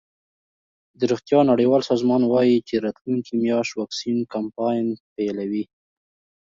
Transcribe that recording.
د روغتیا نړیوال سازمان وايي چې راتلونکې میاشت واکسین کمپاین پیلوي.